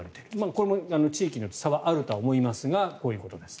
これも地域によって差はあると思いますがこういうことです。